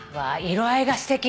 色合いがすてき。